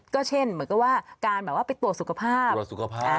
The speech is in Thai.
ก็เช่นเหมือนกับว่าการไปตรวจสุขภาพ